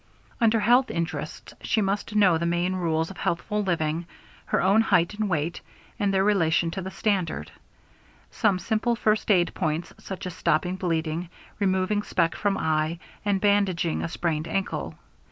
Under health interests, she must know the main rules of healthful living, her own height and weight, and their relation to the standard; some simple first aid points such as stopping bleeding, removing speck from eye, and bandaging a sprained ankle.